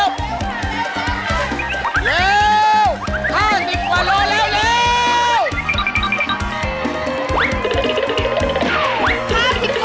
เป็นยังไงสุดยอด